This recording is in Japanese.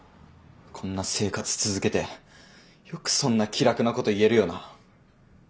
こんな生活続けてよくそんな気楽なこと言えるよな。